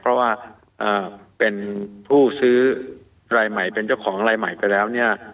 เพราะว่าเป็นผู้ซื้อรายใหม่เป็นเจ้าของรายใหม่ไปแล้วเนี่ย